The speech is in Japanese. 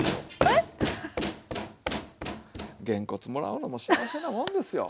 えっ⁉げんこつもらうのも幸せなもんですよ。